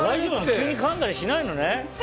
急にかんだりしないのね？